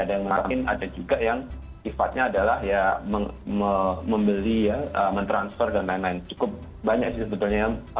ada yang menangin ada juga yang sifatnya adalah ya membeli ya mentransfer dan lain lain